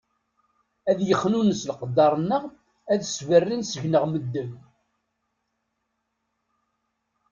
Ad yexnunes leqder-nneɣ, ad d-sberrin seg-neɣ medden.